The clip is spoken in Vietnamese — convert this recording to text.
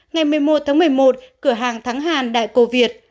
ngày một mươi một tháng một mươi một cửa hàng thắng hàn đại cô việt